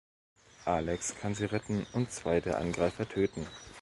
Alex kann sie retten und zwei der Angreifer töten.